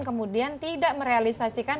kemudian tidak merealisasikan